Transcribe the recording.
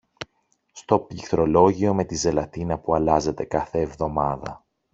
στο πληκτρολόγιο με τη ζελατίνα που αλλάζεται κάθε εβδομάδα